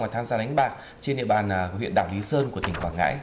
và tham gia đánh bạc trên địa bàn huyện đạo lý sơn của tỉnh quảng ngãi